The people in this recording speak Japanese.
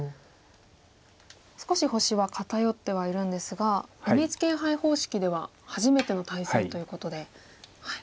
少し星は偏ってはいるんですがＮＨＫ杯方式では初めての対戦ということで。